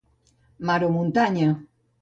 Mar o muntanya.